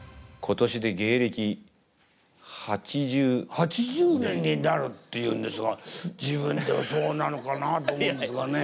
８０年になるっていうんですが自分でもそうなのかなと思うんですがね。